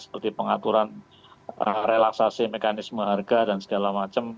seperti pengaturan relaksasi mekanisme harga dan segala macam